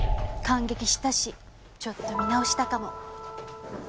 感激したしちょっと見直したかも。